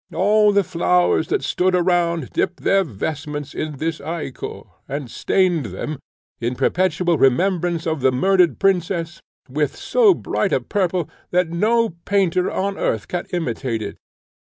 All the flowers that stood around dipped their vestments in this ichor, and stained them, in perpetual remembrance of the murdered princess, with so bright a purple, that no painter on earth can imitate it.